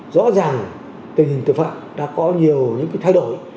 rõ ràng tình hình tội phạm đã có nhiều những thay đổi